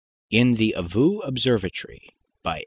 IN THE AVU OBSERVATORY.